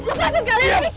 lepasin kalian ini siapa sih